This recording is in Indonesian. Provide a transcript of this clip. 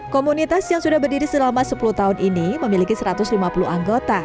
komunitas yang sudah berdiri selama sepuluh tahun ini memiliki satu ratus lima puluh anggota